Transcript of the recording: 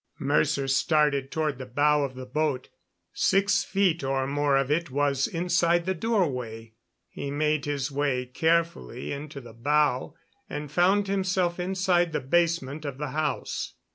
Mercer started toward the bow of the boat. Six feet or more of it was inside the doorway. He made his way carefully into the bow, and found himself inside the basement of the house.